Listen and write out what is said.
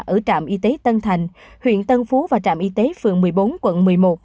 ở trạm y tế tân thành huyện tân phú và trạm y tế phường một mươi bốn quận một mươi một